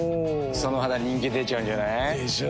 その肌人気出ちゃうんじゃない？でしょう。